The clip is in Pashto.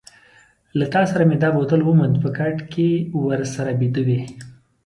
له تا سره مې دا بوتل وموندل، په کټ کې ورسره بیده وې.